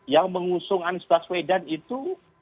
yang mengusung anies busway dan itu